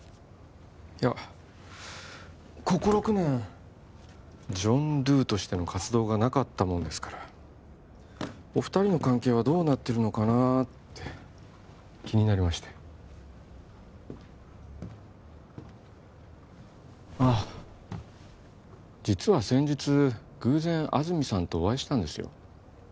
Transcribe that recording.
いやここ６年ジョン・ドゥとしての活動がなかったものですからお二人の関係はどうなってるのかなって気になりましてああ実は先日偶然安積さんとお会いしたんですよ